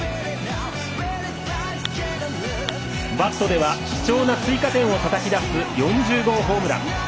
バットでは、貴重な追加点をたたき出す４０号ホームラン。